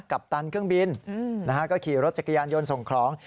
ปตันเครื่องบินก็ขี่รถจักรยานยนต์ส่งของ